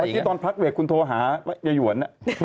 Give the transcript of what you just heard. แต่เมื่อกี้ตอนพักเวทคุณโทรหาเย้หย่วน